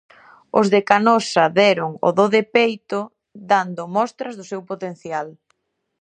Os de Canosa deron o do de peito dando mostras do seu potencial.